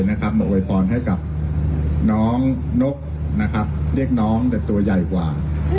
โวยพรให้กับน้องนกเรียกน้องแต่ตัวใหญ่กว่า